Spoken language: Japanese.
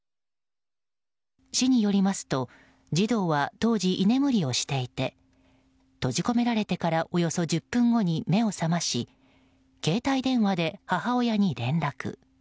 市によりますと児童は当時、居眠りをしていて閉じ込められてからおよそ１０分後に目を覚まし携帯電話で母親に連絡。